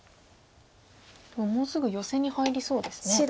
もうすぐヨセに入りそうですね。